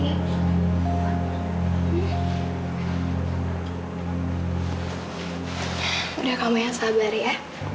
sudah kamu yang sabar ya